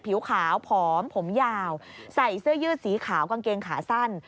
ผิวขาวผอมผมยาวใส่เสื้อยืดสีขาวกางเกงขาสั้น